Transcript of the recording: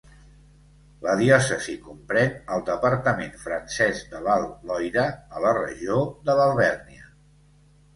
La diòcesi comprèn el departament francès de l'Alt Loira, a la regió de l'Alvèrnia.